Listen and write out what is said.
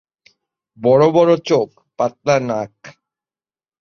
বড়-বড় চোখ, পাতলা নাক।